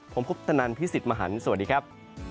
ผมคุปตนันพี่สิทธิ์มหันฯสวัสดีครับ